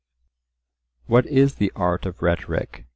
"What is the art of Rhetoric?"